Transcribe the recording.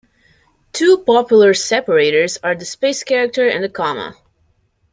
Two popular separators are the space character and the comma.